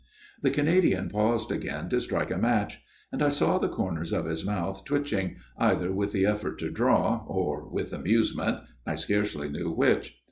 The Canadian paused again to strike a match ; and I saw the corners of his mouth twitching, either with the effort to draw, or with amuse ment I scarcely knew which.